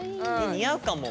似合うかも。